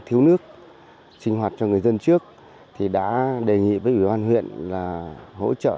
thiếu nước sinh hoạt cho người dân trước thì đã đề nghị với ủy ban huyện là hỗ trợ